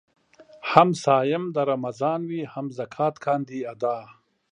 هم صايم د رمضان وي هم زکات کاندي ادا